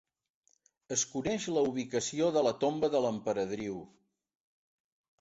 Es coneix la ubicació de la tomba de l'emperadriu.